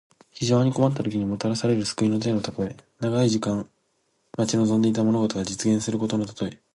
非常に困ったときに、もたらされる救いの手のたとえ。長い間待ち望んでいた物事が実現することのたとえ。